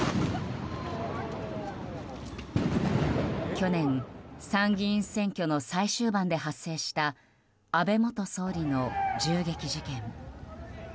去年、参議院選挙の最終盤で発生した安倍元総理の銃撃事件。